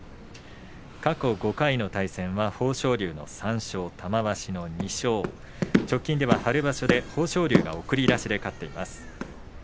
過去５回の対戦は豊昇龍が３勝、玉鷲の２勝直近では豊昇龍が送り出しで勝っています。